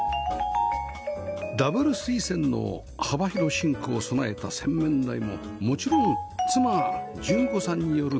ダブル水栓の幅広シンクを備えた洗面台ももちろん妻順子さんによるデザイン